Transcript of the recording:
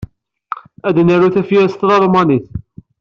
Ad naru tafyirt s tlalmanit.